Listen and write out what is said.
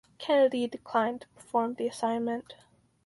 Kennedy declined to perform the assignment.